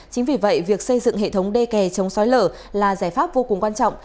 chính vì vậy việc xây dựng hệ thống đê kè chống xói lở là giải pháp vô cùng quan trọng